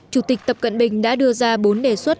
chủ tịch tập cận bình đã đưa ra bốn đề xuất